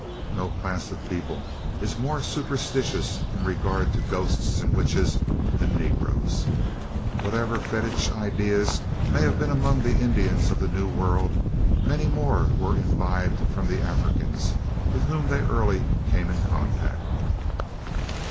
No class of people is more superstitious in regard to ghosts and witches than negroes. Whatever fetich ideas may have been among the Indians of the New World, many more were imbibed from the Africans with whom they early came in contact.